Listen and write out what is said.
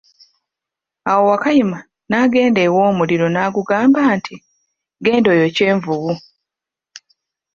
Awo Wakayima n'agenda ew' omuliro n'agugamba nti, genda oyokye envubu.